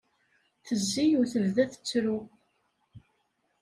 Tezzi u tebda tettru.